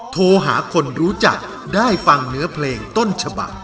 โทรหาคนรู้จักได้ฟังเนื้อเพลงต้นฉบัก